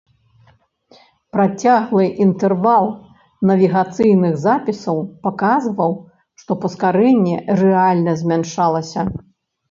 Працяглы інтэрвал навігацыйных запісаў паказваў, што паскарэнне рэальна змяншалася.